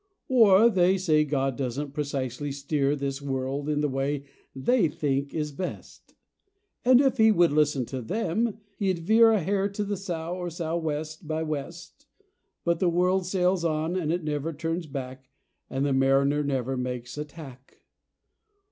Or they say God doesn't precisely steer This world in the way they think is best, And if He would listen to them, He'd veer A hair to the sou', sou'west by west. But the world sails on and it never turns back And the Mariner never makes a tack.